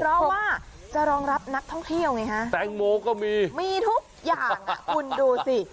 เพราะว่าจะรองรับนักท่องเที่ยวไงฮะแตงโมก็มีมีทุกอย่างคุณดูสิ